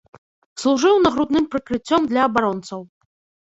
Служыў нагрудным прыкрыццём для абаронцаў.